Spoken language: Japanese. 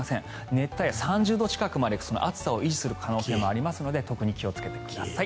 熱帯や、３０度近くまで暑さを維持する可能性がありますので特に気をつけてください。